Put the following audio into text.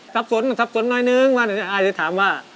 ทับสนทับสนหน่อยนึงว่าอายถ้าถามว่า